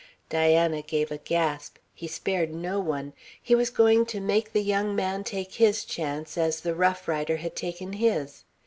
Diana gave a gasp. He spared no one. He was going to make the young man take his chance as the rough rider had taken his.